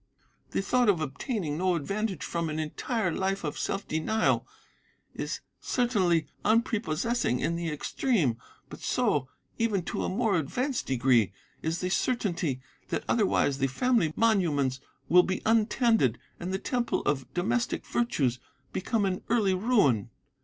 The thought of obtaining no advantage from an entire life of self denial is certainly unprepossessing in the extreme, but so, even to a more advanced degree, is the certainty that otherwise the family monuments will be untended, and the temple of domestic virtues become an early ruin.